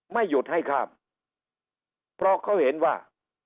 ไม่หยุดให้ข้ามเพราะเขาเห็นว่า